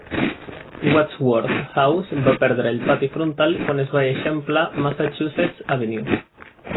Wadsworth House va perdre el pati frontal quan es va eixamplar Massachussets Avenue.